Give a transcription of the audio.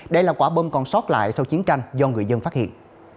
đây là quả bom còn sót lại sau chiến tranh do người dân phát hiện